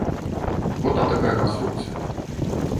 Бо там такая канструкцыя.